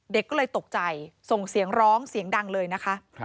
เด็กก็เลยตกใจส่งเสียงร้องเสียงดังเลยนะคะ